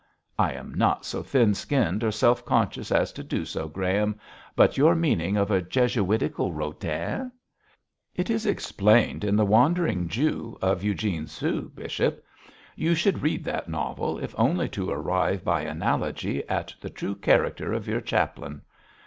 'I am not so thin skinned or self conscious as to do so, Graham. But your meaning of a Jesuitical Rodin?' 'It is explained in The Wandering Jew of Eugene Sue, bishop. You should read that novel if only to arrive by analogy at the true character of your chaplain.